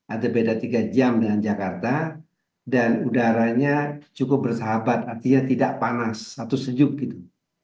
ada beda tiga jam dengan jakarta dan udaranya cukup bersahabat artinya tidak panas atau sejuk gitu